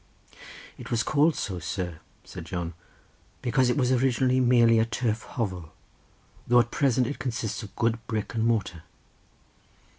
"It was called so, sir," said John, "because it was originally merely a turf hovel, though at present it consists of good brick and mortar."